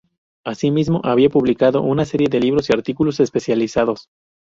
Asimismo, había publicado una serie de libros y artículos especializados.